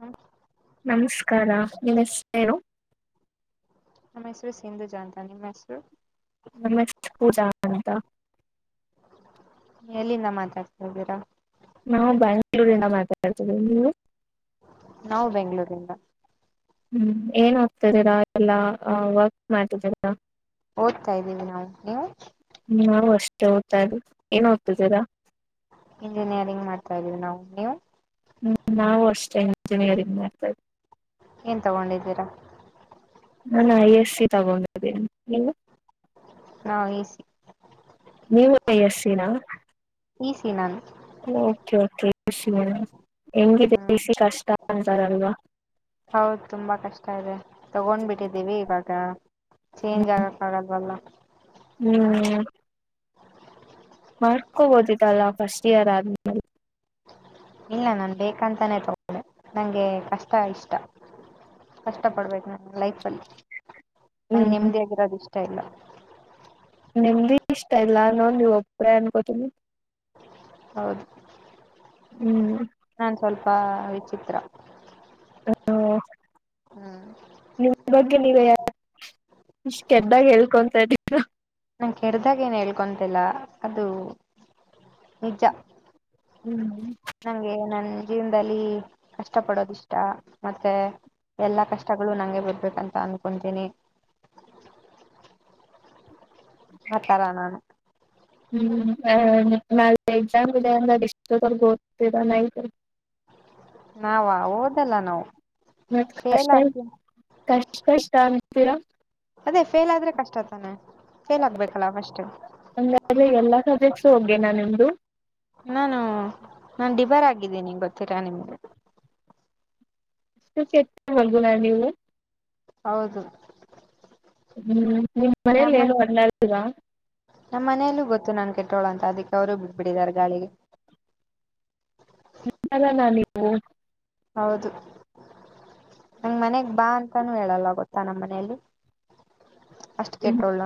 ಹ ನಮಸ್ಕಾರ ನೀಮ್ ಹೆಸ್ರೆನು. ನಮ್ಮ ಹೆಸರು ಸಿಂಧುಜ ಅಂತ ನಿಮ್ಮ ಹೆಸರು. ನಮ್ ಹೆಸ್ರು ಪೂಜಂತ. ಎಲ್ಲಿಂದ ಮಾತಾಡ್ತಾ ಇದ್ದೀರಾ. ನಾವು ಬೆಂಗ್ಳೂರಿಂದ ಮಾತಾಡ್ತೇವಿ ನೀವು. ನಾವು ಬೆಂಗ್ಳೂರಿಂದ. ಹ್ಮ್ ಏನ್ ಓದ್ತಿದಿರ ಇಲ್ಲ ವರ್ಕ್ ಮಾಡ್ತಿದಿರ. ಓದ್ತ ಇದೀವಿ ನಾವು ನೀವು. ನಾವು ಅಷ್ಟೇ ಏನ್ ಓದ್ತಿದ್ದಿರಾ ಇಂಜಿನಿಯರಿಂಗ್ ಮಾಡ್ತಾ ಇದೀವಿ ನಾವು ನೀವು. ಹ್ಮ್ ನಾವು ಅಷ್ಟೇ ಇಂಜಿನಿಯರಿಂಗ್ ಮಾಡ್ತಾ ಏನ್ ತಗೊಂಡಿದ್ದೀರಾ. ನಾನ್ ಐ ಎಸ್ ಸಿ ತಗೊಂಡಿದ್ದೀನಿ. ನಾ ಈಸಿ. ನೀವು ಇ ಯ ಸ್ಸಿ ನ. ಈ ಸಿ ನಾನು ಓಕೆ ಓಕೆ ಈ ಸಿ ನ ಎಂಗ್ ಇದೆ ಈ ಹ್ಮ್ ಸಿ ಕಷ್ಟ [unintelligible] ಹೌದು ತುಂಬಾ ಕಷ್ಟ ಇದೆ ತಗೊಂಡ್ಬಿಟ್ಟಿದ್ದೀವಿ ಇವಾಗ. ಚೇಂಜ್ ಆಗಕ್ ಆಗಲ್ವಲ್ಲ ಹ್ಮ್ ಮಾಡ್ಕೋಬೋದಿತ್ತಲ್ಲ ಫಸ್ಟ್ ಇಯರ್ ಆದ್ಮೇಲೆ. ಇಲ್ಲ ನಾನ್ ಬೇಕಂತಾನೇ ತಗೊಂಡೆ ನಂಗೆ ಕಷ್ಟ ಇಷ್ಟ. ಕಷ್ಟ ಪಡ್ಬೇಕು ನನ್ ಲೈಫಲ್ಲಿ ಅಲ್ಲಿ ನಾನ್ ಹ್ಮ್ ನೆಮ್ಮದಿಯಾಗಿರೋದು ಇಷ್ಟ ಇಲ್ಲ. ನಿಮ್ದಿ ಇಷ್ಟ ಇಲ್ಲ ಅನೋದ್ ನೀವು ಒಬ್ರೆ ಅನ್ಕೋತೀನಿ. ಹೌದು ಹ್ಮ್ ನನ್ ಸ್ವಲ್ಪ ವಿಚಿತ್ರ. ಹೂ ಹ್ಮ್ ನಿಮ್ ಬಗ್ಗೆ ನೀವೆ ಯಾಕ್ - ಇಷ್ಟ್ ಕೆಟ್ದಾಗ್ ಹೇಳ್ಕೊಂತಿದ್ದಿರಾ. ನಾ ಕೆಟ್ದಾಗ್ ಏನ್ ಹೇಳ್ಕೊಂತಿಲ್ಲ ಅದು ನಿಜ. ಹ್ಮ್ ನಂಗೆ ನನ್ ಜೀವನ್ದಲ್ಲಿ ಕಷ್ಟ ಪಡೋದಿಷ್ಟ ಮತ್ತೆ. ಎಲ್ಲಾ ಕಷ್ಟಗಳು ನಂಗೆ ಬರ್ಬೇಕಂತ ಅನ್ಕೊಂತೀನಿ. ಅತರ ನಾನು ಹ್ಮ್ ನಾ ಎಕ್ಸಾಮ್ ಇದೆ ಅಂದ್ರೆ ಎಷ್ಟತ್ವರ್ಗು ಓದ್ತಿರ ನೈಟು. ನಾವ ಓದಲ್ಲ ನಾವು. ಮತ್ ಫೇಲ್ ಕಷ್ಟ ಆಗ್ತೀ ಕಷ್ಟ ಕಷ್ಟ ಅತೀರಾ. ಅದೇ ಫೇಲ್ ಆದ್ರೆ ಕಷ್ಟ ತಾನೆ ಫೇಲ್ ಆಗ್ಬೇಕಲ್ಲ ಫಸ್ಟ್ ಆಗ್ಲೆ ಎಲ್ಲ ಸಬ್ಜೆಕ್ಟ್ಸ್. ಹೋಗೇನಾ ನಿಮ್ದು ನಾನು ನಾನ್ ಡಿಬರ್ ಆಗಿದಿನಿ ಗೊತ್ತಿಲ ನಿಮ್ಗೆ. ಅಷ್ಟು ಕೆಟ್ [unintelligible] ನಾ ನೀವು ಹೌದು ಹ್ಮ್ ನಿಮ್ ಮನೇಲಿ ನಮ್ಮ ಏನು [unintelligible] ಕಟ್ಟೋಳ್ ಅಂತ ಅದಿಕ್ಕೆ ಅವ್ರು ಬಿಟ್ಬಿಡಿದಾರ್ ಗಾಳಿಗೆ. ಇಥರನಾ ನೀವು ಹೌದು ನನ್ ಮನೆಗ್ ಬಾ ಅಂತಾನೂ ಹೇಳಲ್ಲ ಗೊತ್ತಾ ನಮ್ಮ್ ಮನೇಲಿ. ಅಷ್ಟು ಕೇಟ್ಟೊಳ.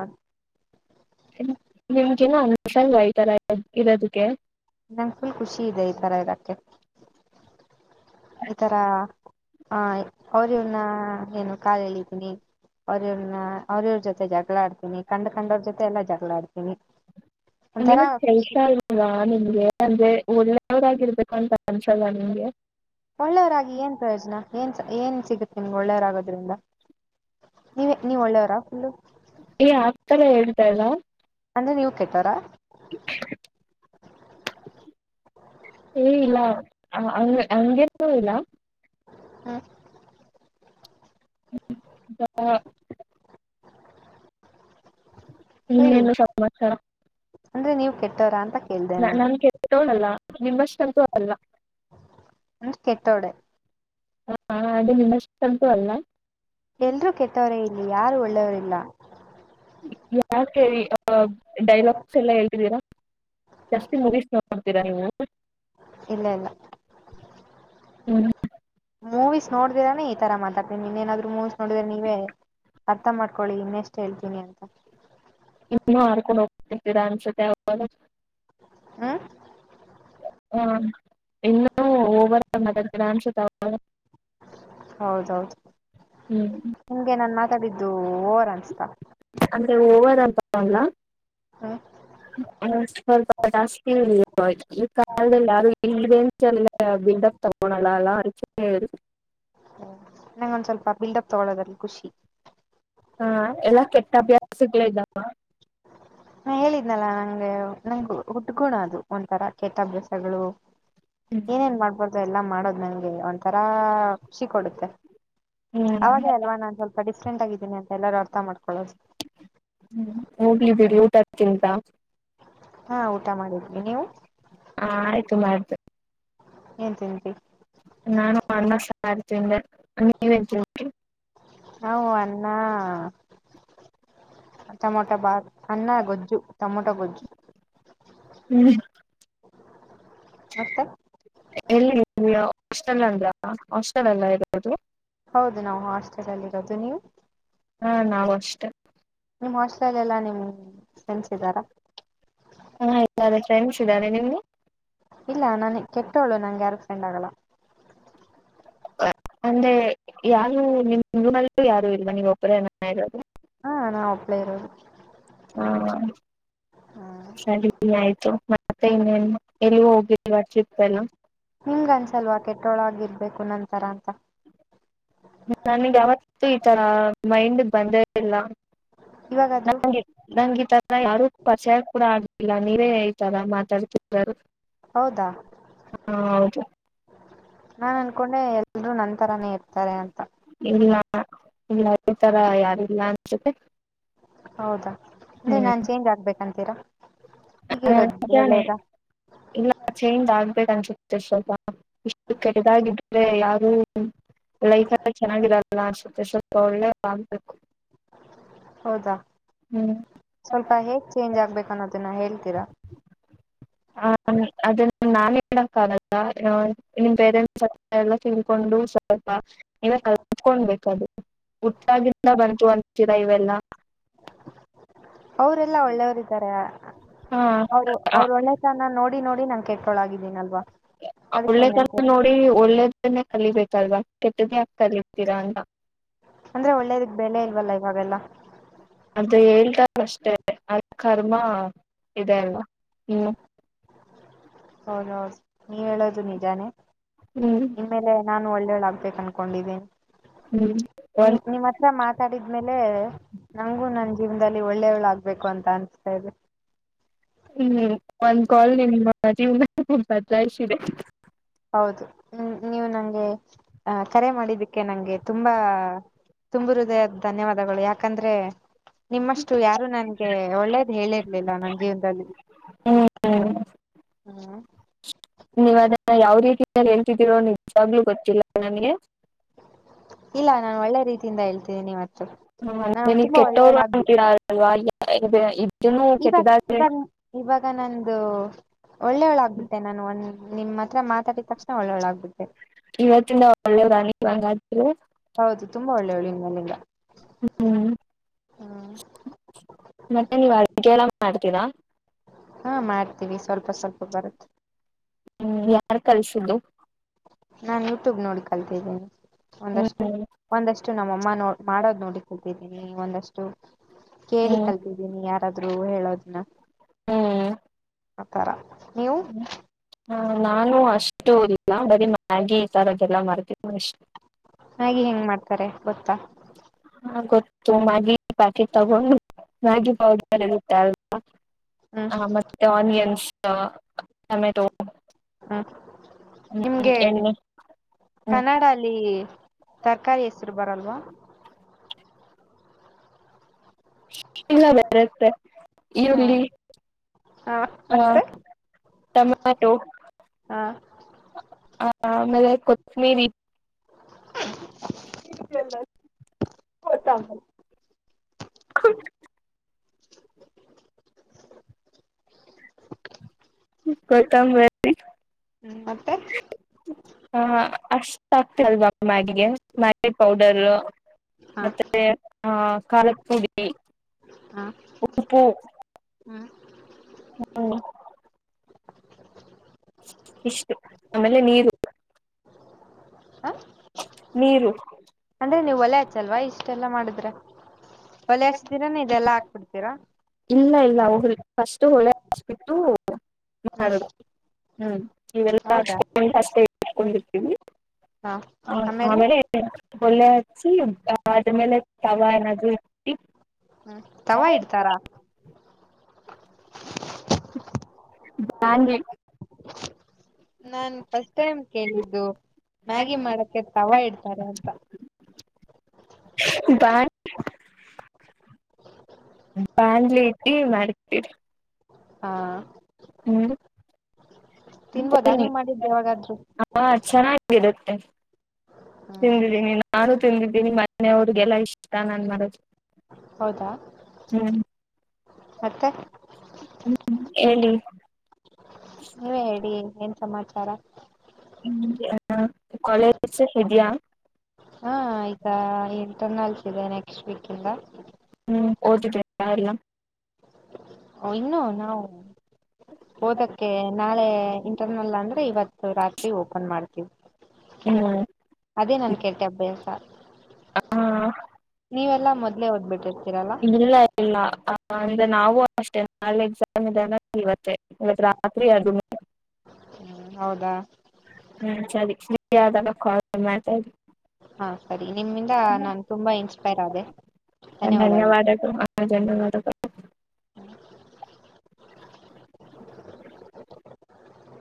ನಿಮ್ ಎನ್ ಅನ್ಸಲ್ವ ಈತರ ಇರೋದುಕ್ಕೆ. ನಂಗ್ ಫುಲ್ ಖುಷಿ ಇದೆ ಇತರ ಇರಕ್ಕೆ ಇತರ. ಹಾ ಅವ್ರ ಇವನ್ನ ಏನು ಕಾಲ ಹೇಳಿದ್ದೀನಿ. ಅವ್ರವ್ರನ ಅವ್ರವ್ರ ಜೊತೆ ಜಗಳ ಆಡ್ತೀನಿ ಕಂಡ ಕಂಡವ್ರ ಜೊತೆ ಎಲ್ಲಾ ಜಗಳ ಆಡ್ತೀನಿ ಅಲ್ಲ ಒಂಥರ ಖುಷಿ ಜೈಸಲ್ ನಿಮಗೆ ಅಂದ. ಒಳ್ಳನೆಯವರಾಗಿರ್ಬೇಕ ಅಂತ ಅನ್ಸಲ್ಲ ನಿಮಗೆ. ಒಳ್ಳೆಯರಾಗಿ ಏನ್ ಪ್ರಯೋಜನ ಏನ್ ಏನ್ ಸಿಗುತ್ತೆ ನಿಮ್ಗೆ ಒಳ್ಳೆಯರಾಗೋದ್ರಿಂದ. ನೀವ ನೀವ ಒಳ್ಳೆಯವರಾ ಫುಲ್ಲು. ಲ್ಲ ಅಂದ್ರೆ ನೀವು ಕೆಟೋರಾ ಏ ಇಲ್ಲ ಹಗೆಸೂ ಇಲ್ಲ ಹ್ಮ ಹಾ ಹ್ಮ್ ಹೇಳಿ ಎಲ್ಲ ಸಮಾಚಾರ ಅಂದ್ರೆ ನೀವು ಕೆಟ್ಟೋರಾ ಅಂತ ಕೇಳ್ದೆ ನ ನಾನು ನನ್ ಕೆತಲ್ಲ ನಿಮ್ಮಷ್ಟೆಂತೂ ಅಲ್ಲ [inaudible] ಕೆಟ್ಟೋಳೆ ಹ ಅದು ನಿಮ್ಮಷ್ಟಂತು ಅಲ್ಲ. ಎಲ್ರೂ ಕೆಟ್ಟವರೇ ಇಲ್ಲಿ ಯಾರು ಒಳ್ಳೆಯವರಿಲ್ಲ. ಯಾಕ ಹೇಳಿ ಅ ಡೈಲಾಗ್ಸ್ ಎಲ್ಲ ಹೇಗಿದ್ದೀರಾ? ಜಾಸ್ತಿ ಮುಗೀಸ್ ನೋಡ್ತೀರಾ ನೀವು? ಇಲ್ಲ ಇಲ್ಲ ಹ್ಞೂ ಮೂವೀಸ್ ನೋಡಿದಿರಾನೇ ಈ ತರ ಮಾತಾಡ್ತಿ ನೀನ್ನೇನಾದ್ರು ಮೂವೀಸ್ ನೋಡಿದ್ರ ನೀವೇ ಅರ್ಥ ಮಾಡ್ಕೊಳ್ಳಿ ಇನ್ನೆಷ್ಟು ಹೇಳ್ತೀನಿ ಅಂತ. ಇನ್ನುೂ ಆಾರ್ಕೊಂಡು ಹೋಗರ್ತ ಅನ್ಸುತ್ತೆ. ಹ್ಮ್ ಹಾ ಇನ್ನುೂ ಓಬಳರ್ಶ ತ ಹೌದೌದು ಹ್ಮ್ ನಿಂಗೆ ನನ್ ಮಾತಾಡಿದ್ದು ಓರ್ ಅನ್ಸ್ತಾ? ಅಂದ್ರೆ ಓವರ್ ಅಂತಾರಲ್ಲ. ಹ್ಮ ಹ ಸ್ವಲ್ಪ ಜಾಸ್ತಿ ಇ ಈ ಕಾಲದಲ್ಲಿ ಯಾರು ಇಲ್ಲದೆ ಅ ವಿಂಡಫ್ ತಗೋ ನಲ್ಲಲ್ಲ ಅ ತಗಳೋದ್ರ ಖುಷಿ ಹಾ ಎಲ್ಲಾ ಕೆಟ್ಟ ಅಭ್ಯಾಸಗ್ಗಳೇ ಇದ್ದಾವ. ಹ ಹೇಳಿದ್ನಲ್ಲಾ ನಂಗೆ ನಂ ಹುಟ್ಗುಣ ಅದು ಒಂಥರ ಕೆಟ್ಟ ಅಭ್ಯಾಸಗಳು‌ ಏನೇನ್ ಹ್ಮ್ ಮಾಡ್ಬಾರ್ದು ಎಲ್ಲಾ ಮಾಡೋದ್ ನನ್ಗೆ ಒ ತರ ುಷಿ ಕೊಡುತ್ತೆ ಅವಾಗ ಅಲ್ವಾ ನಾನನ್ ಸ್ವಲ್ಪ ಡಿಫ್ರೆಂಟ್ ಆಗಿದ್ದೀನಿ ಅಂತ ಎಲ್ಲರೂಥ ಅರ್ಥ ಮಾಡಕೊಳ್ಳ ಹೋಗ್ಲಿದ್ದಿಡಿ ಊಟದಕ್ಕಿಂತ. ಹಾ ಊಟ ಮಾಡಿದ್ವಿ ನೀವು? ಹಾ ಆಯ್ತು ಮಾಡ್ [unintelligible] ನಾನು ಅನ್ನಾ ಸಾರ್ ತಿಂದೆ ನೀವ? ಹೌ ಅನ್ನ ಟೋಮಟ ಬಾತ್, ಅನ್ನ ಗೊಜ್ಜು ಟಮೊಟೊ ಗೊಜ್ಜು ಹ್ಮ್ ಮತ್ತೆ ಎಲ್ಲಿ ಹಸ್ಟೆಲ್ ಅಲ್ಲ ಹಾಸ್ಟೆಲ್ ಎಲ್ಲ ಇರೋದು. ಹೌದು ನಾವು ಹಾಸ್ಟೆಲ್ ಅಲ್ಲಿ ಇರೋದು ನೀವು ಹಾ ನಾವವು ಅಷ್ಟೇ ನಿಮ್ ಹಾಸ್ಲೆ ಎಲ್ಲಾ ನಿಮ್ ಸೆನ್ಸಿದಾರ ತೆನ್ಸಿದ್ದಾನೆ ನಿಮಗೆ ಇಲ್ಲ ನನ್ ಕೆಟ್ಟವಳು ನನ್ಗೆ ಯಾರು ಫ್ರೆಂಡ್ಗಗಳ ಅಂದೆ ಯಾರು ನಿಮ ನಲ್ಲೂ ಯಾರು ಇಲ್ವಾ ನೀವು ಒಬ್ಬರೇ ನಾನ ಇರೋದು ಹಾ ನಾ ಒಪ್ಳೇ ಇರೋದು ಹಾ ಸರಿ ಆಯ್ತು ಮತ್ತೆ ಇನ್ನೇ ಎಲ್ಲಿೂ ಹೋಗಿಲ್ವಾ ಟ್ರಿಪ್ ಎಲ್ಲ ನಿಮ್ಗನ್ಸಲ್ವ ಕೆಟ್ಟೊಳಗರ್ಬೇಕು ನಂತರ ಅಂತ ನನ್ಗೆ ಯಾವತ್ತು ಈತ ಮೈಂಡ್ ಬಂದೇಲ್ಲ ಇವಾಗಾದ್ರೂ ನಗೆ ನಂಗೆ ತರ ಯಾರು ಪ್ರಚಾರ ಕೂಡ ಆಗ್ಲಿಲ್ಲ ನೀವೇ ರ ಮಾತಾಡ್ತಾರ ಹೌದಾ ನಾನು ಅನ್ಕೊಂಡೆ ಎಲ್ರೂ ನನ್ಂತರಾನೇ ಇರ್ತಾರೆ ಅಂತ ಇಲ್ಲ ಇಲ್ಲ ಈ ತರ ಯಾರಿಲ್ಲ ಅನ್ಸತೆ ಹೌದಾ ಅಂದೆ ನಾನ್ ಚೇಂಜ್ ಆಗ್ಬೇಕಂತೀರಾ ಹೀಗಿರೋದು ಒಳ್ಳೇದಾ ಇಲ್ಲಚೆಯ ಅ ಅನ್ಸುತ್ತೆ ಸ್ವಲ್ಪ ಇಷ್ಟು ಕೆಡದಾಗಿದ್ರೆ ಯಾರು ಲೈಫ ಎಲ್ಲ ಚೆನ್ನಾಗಿರಲ್ಲ ಅಸ ಸ್ವಲ್ಪ ಒಳ್ಳೆ ಆ್ಬಕು ಹೌದಾ ಹ್ಮ್ ಸ್ವಲ್ಪ ಹೇಗ್ ಚೇಂಜ್ ಆಗ್ಬೇಕನ್ನೋದನ್ನ ಹೇಳ್ತ ಕರ ಹ ಅದನ್ನು ನಾನ್ ಹೇಳಕ್ ಆಗಲ್ಲ ನಿಮ ಪೇರೆಂಟ್ಸ್ತ್ರ ಎಲ್ಲ ತಿಳ್ಕೊಂಡು ಸ್ವಲ್ಪ ನೀವ ಕಲ್ತ್ಕೊಂಡ್ಬೇಕದು ಹುಟ್ಟಾಗಿಂದ ಬಂತು ಅಂತೀರ ಇವೆಲ್ಲ ಅವರೆಲ್ಲಾ ಒಳ್ಳೆಯವರಿದ್ದಾರೆ ಅವರು ಹಾ ಅವ್ರು ಒಳ್ಳೆತನ ನೋಡಿ ನೋಡಿ ನನ್ ಕೆಟ್ಟೊಳಾಗಿದೀನಲ್ವಾ ಒಳ್ಳೆದನ ನೋಡಿ ಒಳ್ಳೆದನ ಕಲಿಬೇಕಲ್ವಾ ಕೆಟ್ಟದೇ ಆಾಕ ಕಲತೀರಾ ಅಂತ ಅಂದ್ರೆ ಒಳ್ಳೇದಕ್ ಬೆಳೆ ಇಲ್ವಲ್ಲ ಇವಾಗೆಲ್ಲ ಅದು ಹೇಳ್ತಾರ ಅಷ್ಟೆ ಅದ ಕರ್ಮ ಇದೆ ಅಲ್ ಹ್ಮ ಹೌದೌದು ನೀವ್ ಹೇಳದು ನಿಜಾನೇ ಹ್ಮ್ ನಿಮೇಲೆ ನಾನು ಒಳ್ಳೇಗ್ ಕ ಅಡಿದ್ದೇ ಹ್ಮ್ ನಿ ಒಂದ್ ನಿಮ್ಮ್ ಹತ್ರ ಮಾತಾಡಿದ್ಮೇಲೆ ನಂಗು ನಂದ ಮುಂದಲ್ಲಿ ಒಳ್ಳೆಯವಳುಾಗಗ್ಬೇಕು ಅಂತ ಅನ್ಸದೆ ಹ್ಮ್ ಒಂದ್ ಕಾಲ್ ನಿಮ್ ಜೀವ್ನ ಬದ್ಲಾಯಿಸಿದೆ ಹೌದು ಹ್ಮ ನೀವು ನಂಗೆ ಆ ಕರೆ ಮಾಡಿದ್ದಕ್ಕೆ ನಂಗೆ ತುಂಬಾ ತುಂಬು ಹೃದಯ ಧನ್ಯವಾದಗಳು ಯಾಕಂದ್ರೆ ನಿಮ್ಮಷ್ಟು ಯಾರು ನನ್ಗೆ ಒಳ್ಳೇದ ಹೇಳಿರ್ಲಿಲ್ಲ ನನ್ ಜೀವನದಲ್ಲಿ ಹ್ಮ್ ಹ್ಮ್ ನೀವ್ ಅದನ್ನ ಯಾವ್ ರೀತಿಯ ಹೇಳ್ತಿದ್ದೀರೋ ನಿಜವಾಗ್ಲೂ ಗೊತ್ತಿಲ್ಲ ನಮಗೆ ಹ ಇಲ್ಲ ನಾನ್ ಒಳ್ಳೆ ರೀತಿಯಿಂದ ಹೇಳ್ತಿದ್ದೀನಿವತ್ತು ನಾ ಅಂದ್ರೆ ನೀವ್ ತುಂಬಾ ಕೆಟ್ಟವ್ರು ಒಳ್ಳೇಗ್ಬೇಕ ಅಂತೀರಾ [inaudible] ಇವಾಗ ಕೆಟ್ಟದಾದ್ರೆ ಇವಾಗ ಇವಾಗ ನಂದು ಒಳ್ಳೆ ಒಳ ಆಗ್ಬಿಟ್ಟೆ ನಾನು ಒಂದ ನಿಮ್ ಹತ್ರ ಮಾತಾಡಿದ ತಕ್ಷಣ ಒಳ್ಳೆಳಾಗಬುತ್ತೆ ಇವತ್ತಿಂದ ಒಳ್ಳೆವಾನ ಇವಾಗ ಹೌದು ತುಂಬಾ ಒಳ್ಳೇವಳು ಇಲ್ಲಿಲ್ಲ ಹ್ಮ್ ಮತ್ತೆ ನೀವ ಅಡಗೆ ಎಲ್ಲ ಮಾಡ್ತೀರಾ ಹಾ ಮಾಡ್ತೀವಿ ಸ್ವಲ್ಪ ಸ್ವಲ್ಪ ಬರುತ್ತೆ ಹ್ಮ್ ಯಾರ ಕಿಸುುದುು ನಾನ್ ಯೂಟ್ಯೂಬ್ ನೋಡಿ ಕಲ್ತಿದ್ದೇನಿ ಒಂದಷ್ಟು ಹ್ಮ್ ಒಂದಷ್ಟು ನಮ್ಮಅಮ್ಮ ನೋ ಮಾಡೋದ್ ನೋಡಿ ಕಲ್ ದ್ದೀನಿ ಒಂದಷ್ಟು ಕೇಳಿ ಹ್ಮ್ ಕಲ್ತಿದ್ದೀನಿ ಯಾರಾದ್ರು ಹೇಳೋದನ್ನ ಹ್ಮ್ ಆತರ ನೀವು ಹ ನಾನು ಅಷ್ಟ ಇಷ್ಟು ಇಲ್ಲ ಬರೀ ಮ್ಯಾಗಿ ಈ ಸಾರದೆಲ್ಲ ಮಾಡ್ತ ನಷ್ಟ ಹಾಗೆ ಹೆಂಗ್ ಮಾಡ್ತಾರೆ ಗೊತ್ತಾ ಹ ಗೊತ್ತು ಮಾಗಿ ಪಾಕಿ ತಗೊಂಡು ಮಾಗಿ ಪೌಡರ್ ಗತ್ತೆ ಅಲ್ವಾ ಹ್ಮ್ ಹ ಮತ್ತೆ ಆನಿಯನ್ಸ್ ಟೊಮೆಟೊ ಹ್ಮ್ ಹ್ಮ್ ನಿಮ್ಗೆ [unintelligible] ಹ್ಮ್ ಕನ್ನಡ ಅಲ್ಲಿ ತರಕಾರಿ ಹೆಸ್ರು ಬರಲ್ವಾ ಇಲ್ಲ ಬರುತ್ತೆ ಹ ಎಲ್ಲಿ ಹ ಹಾ ಮತ್ತೆ ಟಮಾಟೋ [inaudible] ಆಮೇಲೆ ಕೊತ್ಮಿರಿ [unintelligible] ಥೂ [inaudible] ಕೊತಂಬರಿ ಹ್ಮ್ ಮತ್ತೆ ಹಾ ಅಷ್ಟ ಸಾ ಆಕ್ತಿಲ್ವಾ ಮ್ಯಾಗಿಗೆ ಮ್ಯಾಗಿ ಪೌಡರು ಹ ಮತ್ತೆ ಹ ಕಾರದಪುಡಿ ಹ ಉಪ್ಪು ಹ್ಮ್ ಹು ಇಷ್ಟು ಅಮೇಲೆ ನೀರು ಹ ನೀರು ಅಂದ್ರೆ ನೀವು ಒಲೆ ಹಚ್ಚಲ್ವಾ ಇಷ್ಟೆಲ್ಲಾ ಮಾಡಿದ್ರೆ ಒಲೆ ಹಚ್ಚತೀರಾನ ಇದೆಲ್ಲ ಹಾಕ್ಬಿಡ್ತೀರಾ ಇಲ್ಲ ಇಲ್ಲ ಫಸ್ಟ್ ಹೊಲೆ ಹಚ್ಬಿಟ್ಟು ಹ್ಮ್ ಮಾಡದು ಹ್ಮ್ ಇವೆಲ್ಲ ಹೌದಾ ಅಚ್ಚಿ [unintelligible] ಹಾ ಆಮೇಲೆ ಒಲೆ ಹಚ್ಚಿ ಅದಾದ್ಮೇಲೆ ತವ ಏನಾದ್ರೂ ಇಟ್ಟಿ ಹ್ಮ ತವಾ ಇಡ್ತಾರಾ ಬಾಂಡ್ಲಿ ನಾನ್ ಫಸ್ಟ್ ಟೈಮ್ ಕೇಳಿದ್ದು ಮ್ಯಾಗಿ ಮಾಡಕ್ಕೆ ತವಾ ಇಡ್ತಾರೆ ಅಂತ ಹೌದ ಬಾಂಡ್ಲಿ ಇಟ್ಟಿ ಮಾಡ್ತೀರಿ ಹಾ ಹ್ಮ್ ತಿನ್ಬೋದಾ ನೀವ್ ಮಾಡಿದ್ [unintelligible] ಯಾವಾಗಾದ್ರು ಆ ಚನ್ನ ಗಿರುತ್ತೆ ಹ್ಮ್ ತಿಂದಿದಿನಿ ನಾನು ತಿಂದಿದ್ದೀನಿ ಮನೆ ಅವ್ರಿಗೆಲ್ಲ ಇಷ್ಟ ನಾನ್ ಮಡೋದು ಹೌದಾ ಮತ್ತೆ ಹ್ಮ ಹೇಳಿ ನೀವೇ ಹೇಳಿ ಏನ್ ಸಮಾಚಾರ ಹ್ಮ್ ಹ ಕಾಲೇಜ್ ಇದ್ಯಾ ಹಾ ಈಗ ಇಂಟರ್ನಲ್ಸ್ ಇದೆ ನೆಕ್ಸ್ಟ್ ವೀಕ್ ಇಂದ ಹ್ಮ್ ಓದಿದಿಯಪ್ಪಾ ಎಲ್ಲ ಓ ಇನ್ನು ನಾವು ಓದಕ್ಕೆ ನಾಳೆ ಇಂಟರ್ನಲ್ ಅಂದ್ರೆ ಇವತ್ತು ರಾತ್ರಿ ಓಪನ್ ಮಾಡ್ತೀವಿ ಹ್ಮ್ ಅದೇ ನನ್ ಕೆಟ್ಟ ಅಭ್ಯಾಸ ಹಾ ನೀವೆಲ್ಲಾ ಮೊದ್ಲೇ ಓದ್ಬಿಟ್ಟಿರ್ತೀರಲ್ಲ ಇಲ್ಲ ಇಲ್ಲ ಅಂದ್ರೆ ನಾವು ಅಷ್ಟೇನೆ ನಾಳೆ ಎಕ್ಸಾಮ್ ಇದೆ ಅಂದ್ರೆ ಇವತ್ತೆ ಇವತ್ ರಾತ್ರಿ ಅದುನು ಹ್ಮ ಹೌದಾ ಯಾವದನ್ನ ಕಾಲ್ [unintelligible] ಹಾ ಸರಿ ನಿಮ್ಮಿಂದ ನಾನು ತುಂಬಾ ಇನ್ಸ್ಪೈರ್ ಆದದೆ ಧನ್ಯವಾದಗಳು ಹ ಧನ್ಯವಾದ ಹ್ಮ